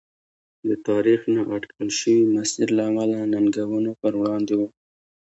د تاریخ نااټکل شوي مسیر له امله ننګونو پر وړاندې و.